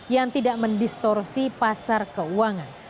yang tidak mendistorsi pasar keuangan